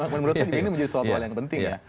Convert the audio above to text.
menurut saya ini menjadi suatu hal yang penting ya